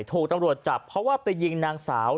ตัวตำรวจจับเพราะหยิงนางสาว